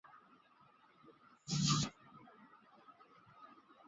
欧塞奇镇区为位在美国堪萨斯州克劳福德县的镇区。